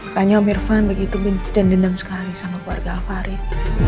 makanya amirvan begitu benci dan dendam sekali sama keluarga alvarin